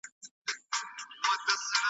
له عمرونو پکښي اوسم لا پردی راته مقام دی .